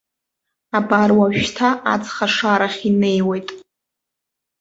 Абар уажәшьҭа аҵх ашарахь инеиуеит.